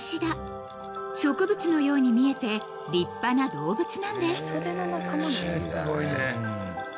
［植物のように見えて立派な動物なんです］